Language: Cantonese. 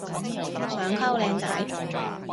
想溝靚仔